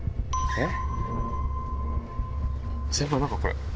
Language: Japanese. えっ？